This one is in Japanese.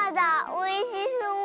おいしそう！